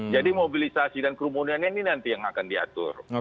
jadi mobilisasi dan kerumunannya ini nanti yang akan diatur